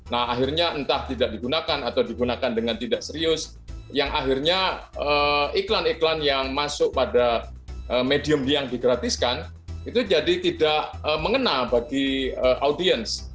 nah akhirnya entah tidak digunakan atau digunakan dengan tidak serius yang akhirnya iklan iklan yang masuk pada medium yang digratiskan itu jadi tidak mengena bagi audiens